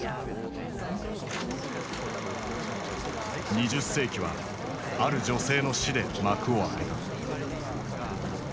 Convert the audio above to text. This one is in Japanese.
２０世紀はある女性の死で幕を開けた。